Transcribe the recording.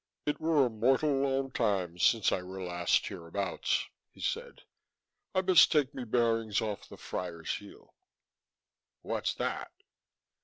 "It were a mortal long time since I were last hereabouts," he said. "I best take me bearings off the Friar's Heel...." "What's that?"